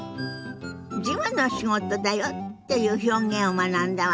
「事務の仕事だよ」っていう表現を学んだわね。